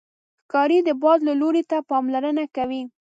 ښکاري د باد لوري ته پاملرنه کوي.